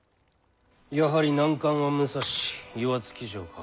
やはり難関は武蔵岩付城か。